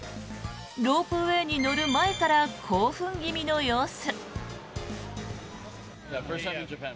ロープウェーに乗る前から興奮気味の様子。